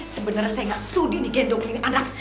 sebenernya saya nggak sudi digendongin anak